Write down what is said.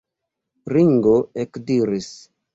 Ringo ekridis.